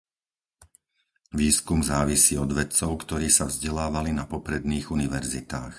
Výskum závisí od vedcov, ktorí sa vzdelávali na popredných univerzitách.